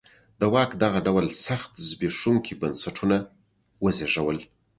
د واک دغه ډول سخت زبېښونکي بنسټونه وزېږول.